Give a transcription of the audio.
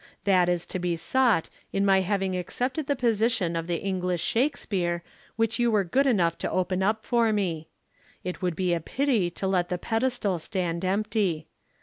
That is to be sought in my having accepted the position of the English Shakespeare which you were good enough to open up for me. It would be a pity to let the pedestal stand empty.